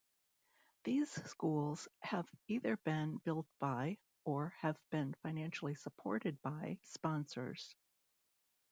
These schools have either been built by, or have been financially supported by sponsors.